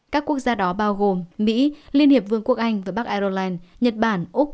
các quốc gia đó bao gồm mỹ liên hiệp vương quốc anh và bắc ireland nhật bản úc